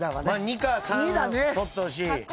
２か３取ってほしい。